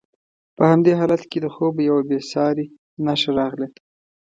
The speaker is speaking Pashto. په همدې حالت کې د خوب یوه بې ساري نښه راغله.